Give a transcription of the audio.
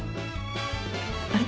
あれ？